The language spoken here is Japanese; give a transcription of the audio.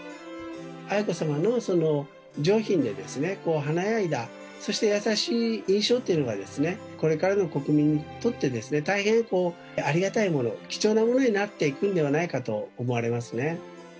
愛子さまのその上品で華やいだ、そして優しい印象というのが、これから国民にとってですね、大変ありがたいもの、貴重なものになっていくんではないかと思われますね。